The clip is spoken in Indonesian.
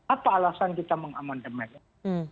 apa alasan kita mengamendement